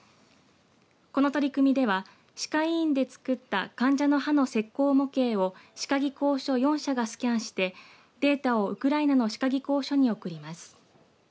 この取り組みでは歯科医院で作った患者の歯の石こう模型を歯科技工所４社がスキャンしてデータをウクライナの歯科技工所に送ります。